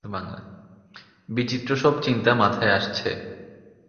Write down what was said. বিচিত্র সব চিন্তা মাথায় আসছে।